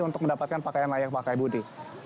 untuk mendapatkan pakaian layak pakai budi